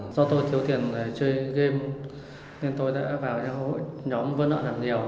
do tôi thiếu tiền để chơi game nên tôi đã vào nhóm vấn đoạn hàng nhiều